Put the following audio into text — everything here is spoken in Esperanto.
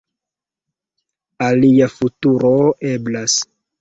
Alia futuro eblas.